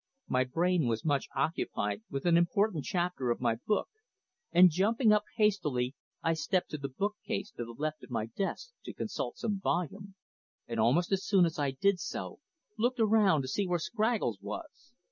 My brain was much occupied with an important chapter of my book, and jumping up hastily I stepped to the book case to the left of my desk to consult some volume, and almost as soon as I did so looked around to see where Scraggles was.